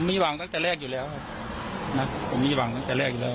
มีหวังตั้งแต่แรกอยู่แล้วครับนะผมมีหวังตั้งแต่แรกอยู่แล้ว